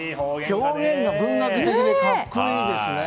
表現が文学的で格好いいですね。